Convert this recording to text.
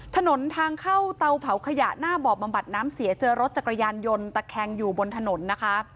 ถนนทางเข้าเตาเผาขยะหน้าบ่อบำบัดน้ำเสียเจอรถจักรยานยนต์ตะแคงอยู่บนถนนนะคะ